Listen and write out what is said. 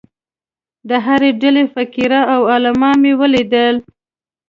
د هرې ډلې فقراء او عالمان مې ولیدل.